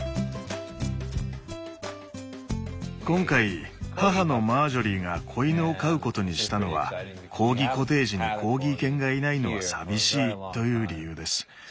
今回母のマージョリーが子犬を飼うことにしたのはコーギコテージにコーギー犬がいないのは寂しいという理由です。